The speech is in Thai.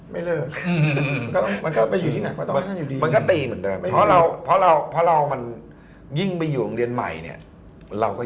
ไม่เลิกมันก็ต้องไปอยู่ที่ไหนมันก็ต้องไปอยู่ที่ไหนอยู่ดี